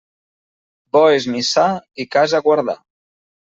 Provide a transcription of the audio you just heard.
Bo és missar i casa guardar.